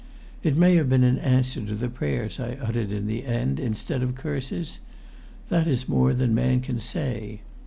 It may have been in answer to the prayers I uttered in the end instead of curses; that is more than man can say.